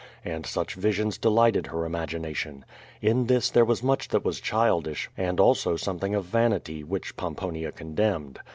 And such visions delighted her imagination^ In this there was much that was childish, and also something of vanity, which Pomponia condemned.